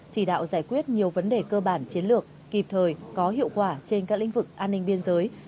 chỉ đạo giải quyết nhiều vấn đề cơ bản chiến lược kịp thời có hiệu quả trên các lĩnh vực an ninh biên giới